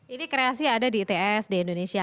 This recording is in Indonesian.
ini kreasi ada di its di indonesia